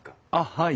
はい。